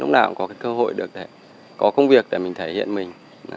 lúc nào cũng có cơ hội có công việc để mình thể hiện mình